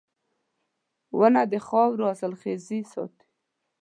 • ونه د خاورو حاصلخېزي ساتي.